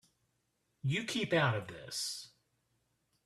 You keep out of this.